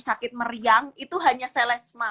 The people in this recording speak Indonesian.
sakit meriang itu hanya selesma